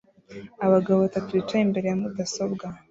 Abagabo batatu bicaye imbere ya mudasobwa